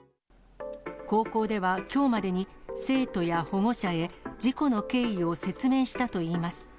高校ではきょうまでに、生徒や保護者へ事故の経緯を説明したといいます。